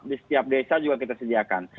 di setiap desa juga kita sediakan